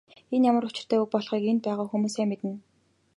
Энэ ямар учиртай үг болохыг энд байгаа хүмүүс сайн мэднэ.